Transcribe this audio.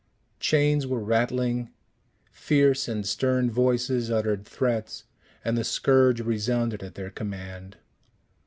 Chains were rattling, fierce and stern voices uttered threats, and the scourge resounded at their command.